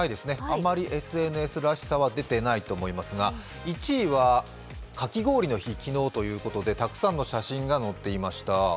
あまりＳＮＳらしさは出ていないと思いますが、１位はかき氷の日、昨日ということでたくさんの写真が載っていました。